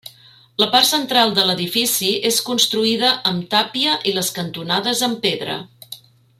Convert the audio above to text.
La part central de l'edifici és construïda amb tàpia i les cantonades amb pedra.